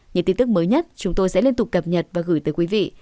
những tin tức mới nhất chúng tôi sẽ liên tục cập nhật và gửi tới quý vị